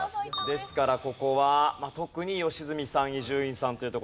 ですからここは特に良純さん伊集院さんというところ。